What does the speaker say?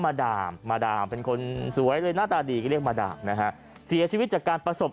มาดามมาดามเป็นคนสวยเลยหน้าตาดีก็เรียกมาดามนะฮะเสียชีวิตจากการประสบ